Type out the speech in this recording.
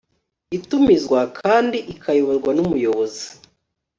itumizwa kandi ikayoborwa n'umuyobozi